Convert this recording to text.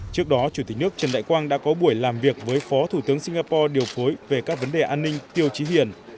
trước đó chủ tịch nước trần đại quang đã có buổi làm việc với phó thủ tướng singapore điều phối về các vấn đề an ninh tiêu chí hiền